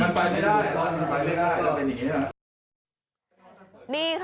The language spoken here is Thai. มันไปไม่ได้มันไปไม่ได้มันเป็นอย่างนี้แหละ